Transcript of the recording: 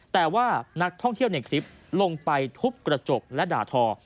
แต่ว่านักท่องเที่ยวในคลิปลงไปทุบกระจกและด่าทอ